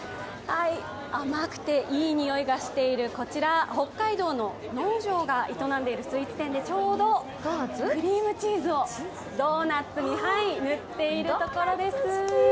甘くていい匂いがしているこちら、北海道の農場が営んでいるスイーツ店でちょうどクリームチーズをドーナツに塗っているところです。